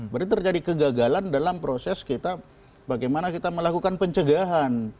berarti terjadi kegagalan dalam proses kita bagaimana kita melakukan pencegahan